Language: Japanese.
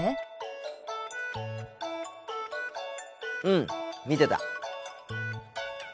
うん見てた。